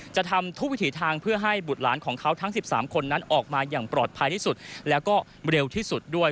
จะทำทุกวิถีทางเพื่อให้บุตรหลานของเขาทั้ง๑๓คนนั้นออกมาอย่างปลอดภัยที่สุดแล้วก็เร็วที่สุดด้วย